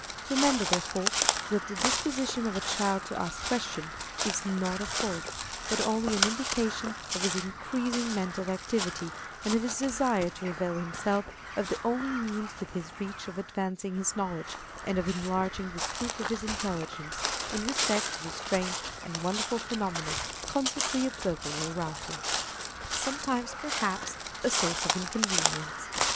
Remember, therefore, that the disposition of a child to ask questions is not a fault, but only an indication of his increasing mental activity, and of his desire to avail himself of the only means within his reach of advancing his knowledge and of enlarging the scope of his intelligence in respect to the strange and wonderful phenomena constantly observable around him. Sometimes, perhaps, a Source of Inconvenience.